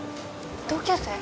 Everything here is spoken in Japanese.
同級生？